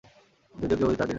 যদিও কেউ তা কেনেনা।